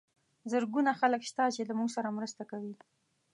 زرګونه خلک شته چې له موږ سره مرسته کوي.